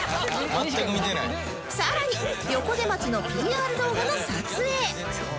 さらに横瀬町の ＰＲ 動画の撮影